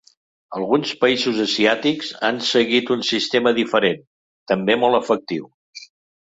Alguns països asiàtics han seguit un sistema diferent, també molt efectiu.